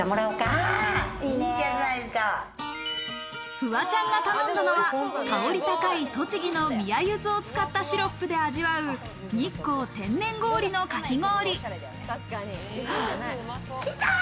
フワちゃんが頼んだのは香り高い栃木の宮ゆずを使ったシロップで味わう日光天然氷のかき氷。